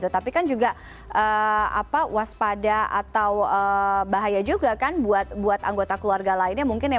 tapi kan juga waspada atau bahaya juga kan buat anggota keluarga lainnya mungkin ya